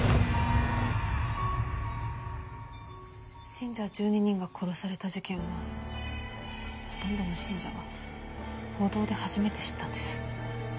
信者１２人が殺された事件をほとんどの信者は報道で初めて知ったんです。